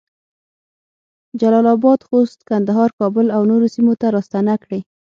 جلال اباد، خوست، کندهار، کابل اونورو سیمو ته راستنه کړې